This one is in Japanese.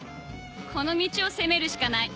この道を攻めるしかない